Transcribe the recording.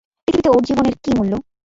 পৃথিবীতে ওর জীবনের কী মূল্য।